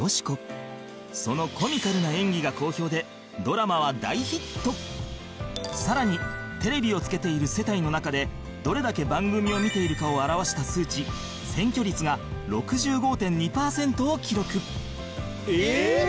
そのコミカルな演技が好評でさらにテレビをつけている世帯の中でどれだけ番組を見ているかを表わした数値占拠率が ６５．２ パーセントを記録ええーっ！？